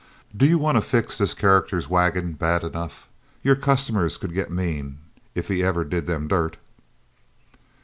Do you want to fix this character's wagon bad enough? Your customers could get mean if he ever did them dirt."